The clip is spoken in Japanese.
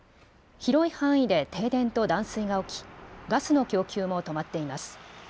広い範囲で停電と断水が起きガスの供給も止まっています。